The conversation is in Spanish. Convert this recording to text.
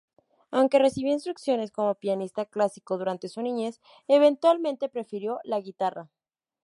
Aunque recibió instrucción como pianista clásico durante su niñez, eventualmente, prefirió la guitarra.